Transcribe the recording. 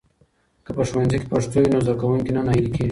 که په ښوونځي کې پښتو وي، نو زده کوونکي نه ناهيلي کېږي.